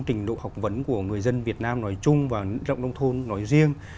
tự do học vấn của người dân việt nam nói chung và nông thôn nông thôn nói riêng